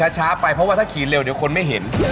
ช้าไปเพราะว่าถ้าขี่เร็วเดี๋ยวคนไม่เห็น